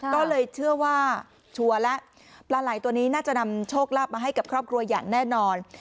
ก็เลยเชื่อว่าชัวร์แล้วปลาไหล่ตัวนี้น่าจะนำโชคลาภมาให้กับครอบครัวอย่างแน่นอน